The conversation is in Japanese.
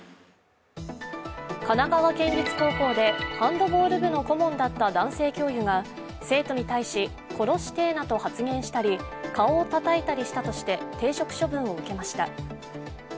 神奈川県立高校でハンドボール部の顧問だった男性教諭が生徒に対し、殺してえなと発言したり、顔をたたいたりしたとして停職処分を受けました。